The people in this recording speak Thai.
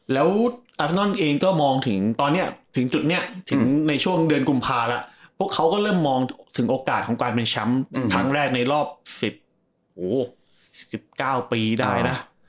แล้วอาสนอนเองก็มองถึงตอนนี้ถึงจุดนี้ถึงในช่วงเดือนกุมภาแล้วพวกเขาก็เริ่มมองถึงโอกาสของการเป็นแชมป์ครั้งแรกในรอบ๑๙ปีได้นะ